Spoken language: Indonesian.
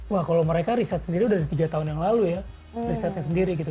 wah kalau mereka riset sendiri udah dari tiga tahun yang lalu ya risetnya sendiri gitu